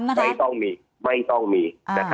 ไม่ต้องมีไม่ต้องมี